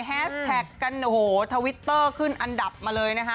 แสกกันโอ้โหทวิตเตอร์ขึ้นอันดับมาเลยนะคะ